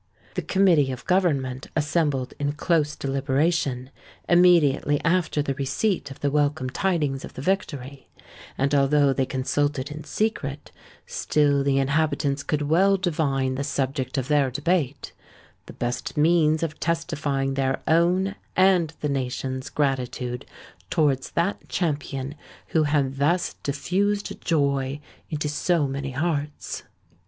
The Committee of Government assembled in close deliberation, immediately after the receipt of the welcome tidings of the victory; and, although they consulted in secret, still the inhabitants could well divine the subject of their debate—the best means of testifying their own and the nation's gratitude towards that champion who had thus diffused joy into so many hearts.